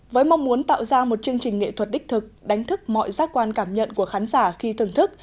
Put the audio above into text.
với mong muốn tạo ra một chương trình nghệ thuật đích thực đánh thức mọi giác quan cảm nhận của khán giả khi thưởng thức